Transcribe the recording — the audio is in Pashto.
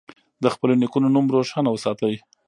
د خپلو نیکونو نوم روښانه وساتئ.